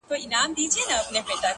د عربي اصالت له مخې یې